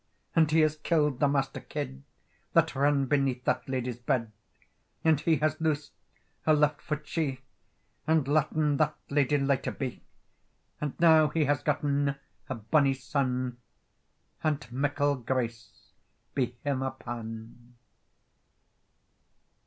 And he has killed the master kid That ran beneath that ladye's bed; And he has loosed her left foot shee, And latten that ladye lighter be; And now he has gotten a bonnie son, And meikle grace be him upon.